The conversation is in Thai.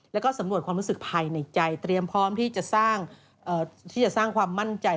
แล้วก็สำรวจความรู้สึกภายในใจเตรียมพร้อมที่จะสร้างความมั่นใจ